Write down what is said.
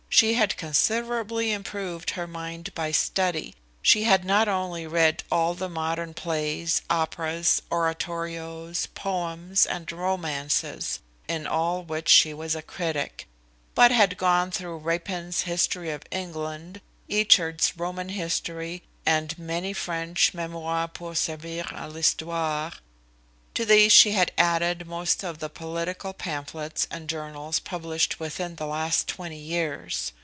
She had considerably improved her mind by study; she had not only read all the modern plays, operas, oratorios, poems, and romances in all which she was a critic; but had gone through Rapin's History of England, Eachard's Roman History, and many French Mémoires pour servir à l'Histoire: to these she had added most of the political pamphlets and journals published within the last twenty years.